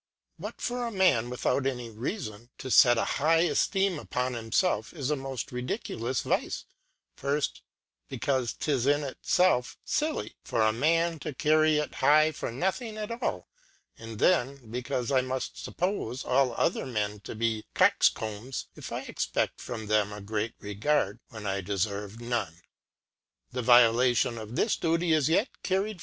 But ' for a Man, without any Reafon, to fet a high efleem upon himifelf, is a mofb ridiculous Vice ', firft, becaufe 'tis in it Mffdlv^ for a Man to carry it high for nothing at all , and then, be caufe I mufl fuppofe all other Men to be Cox^ combs, if I expe6l from them a great Regard, when I deferve none. The Violation of this Duty is yet carried vi.